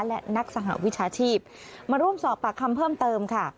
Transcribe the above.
และนักสหวิชาชีพมาร่วมสอบปากคำเพิ่มเติมค่ะ